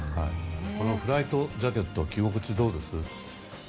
フライトジャケット着心地はどうです？